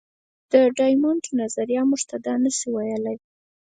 د ډایمونډ نظریه موږ ته دا نه شي ویلی.